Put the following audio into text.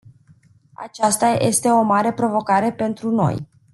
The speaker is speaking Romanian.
Aceasta este o mare provocare pentru noi.